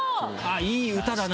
いい歌だな！